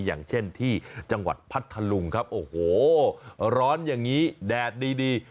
อย่างเช่นที่จังหวัดพัทธลุงครับโอ้โหร้อนอย่างนี้แดดดีดี